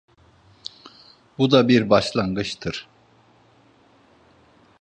Bu da bir başlangıçtır.